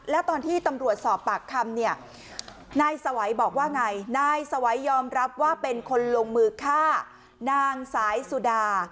แล้วตอนที่ตำรวจสอบปากคำเนี่ยนายสวัยบอกว่าไงนายสวัยยอมรับว่าเป็นคนลงมือฆ่านางสายสุดา